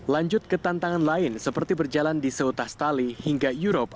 lanjut ke tantangan lain seperti berjalan di seutas tali hingga europe